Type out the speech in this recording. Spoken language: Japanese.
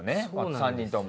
３人とも。